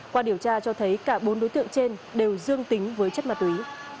qua điều tra cho thấy cả bốn đối tượng trên đều dương tính với chất ma túy